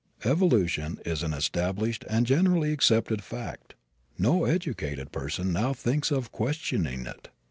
Evolution is an established and generally accepted fact. No educated person now thinks of questioning it.